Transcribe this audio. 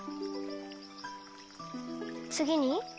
つぎに？